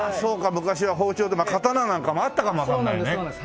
昔は包丁刀なんかもあったかもわかんないね。